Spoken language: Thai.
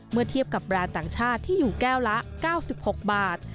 เมื่อเทียบกับแบรนด์ต่างชาติที่อยู่แก้วละ๙๖บาท